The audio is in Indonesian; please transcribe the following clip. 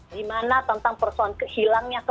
gimana tentang persoalan kehilangnya kepastian